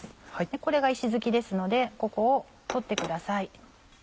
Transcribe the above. これが石突きですのでここを取ってください。